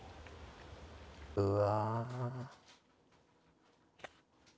うわ。